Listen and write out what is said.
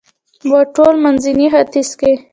و په ټول منځني ختیځ کې